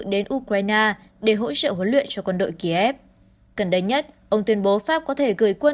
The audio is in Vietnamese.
đến ukraine để hỗ trợ huấn luyện cho quân đội kiev gần đây nhất ông tuyên bố pháp có thể gửi quân